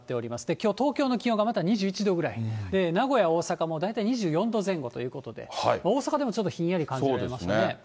きょう、東京の気温がまた、２１度くらい、名古屋、大阪も大体２４度前後ということで、大阪でもちょっとひんやり感じられましたね。